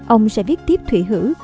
ông sẽ viết tiếp thủy hữ